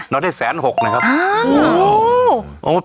เราได้๑๖๐๐๐๐บาทนะครับ